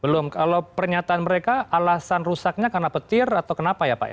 belum kalau pernyataan mereka alasan rusaknya karena petir atau kenapa ya pak